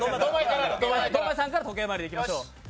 堂前さんから時計回りでいきましょう。